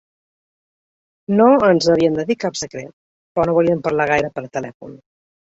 No ens havíem de dir cap secret, però no volíem parlar gaire per telèfon.